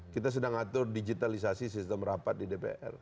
kita sedang atur digitalisasi sistem rapat di dpr